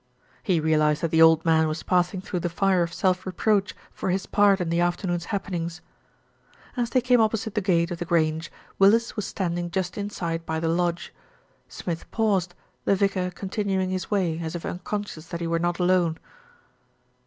He realised that the old man was passing through the fire of self reproach for his part in the afternoon's happenings. As they came opposite the gate of The Grange, MARJORIE HEARS THE NEWS 311 lis was standing just inside by the lodge. Smith paused, the vicar continuing his way, as if unconscious that he were not alone.